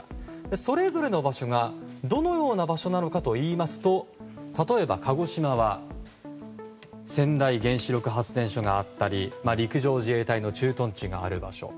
それぞれの場所が、どのような場所なのかといいますと例えば鹿児島は川内原発があったり陸上自衛隊の駐屯地がある場所。